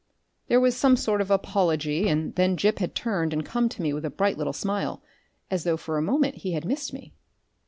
There was some sort of apology, and then Gip had turned and come to me with a bright little smile, as though for a moment he had missed me.